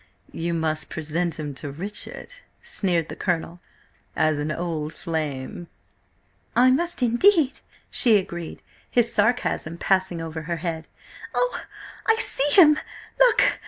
"You must present him to Richard," sneered the Colonel, "as an old flame." "I must, indeed," she agreed, his sarcasm passing over her head. "Oh, I see him! Look!